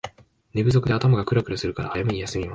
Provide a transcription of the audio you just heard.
寝不足で頭がクラクラするから早めに休みます